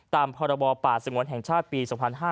ตามพรบป่าสงวนแห่งชาติปี๒๕๕๙